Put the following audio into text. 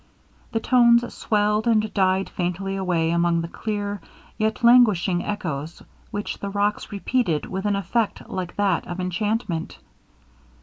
The tones swelled and died faintly away among the clear, yet languishing echoes which the rocks repeated with an effect like that of enchantment.